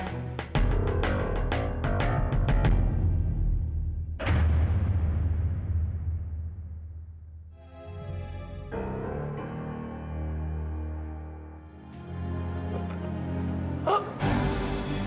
ya allah gimana ini